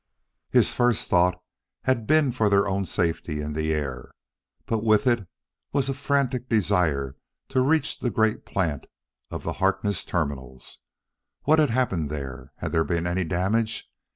His first thought had been for their own safety in the air, but with it was a frantic desire to reach the great plant of the Harkness Terminals. What had happened there? Had there been any damage?